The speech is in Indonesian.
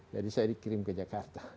jadi saya dikirim ke jakarta